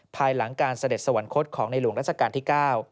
ภายหลังการเสด็จสวรรคตของในหลวงราชการที่๙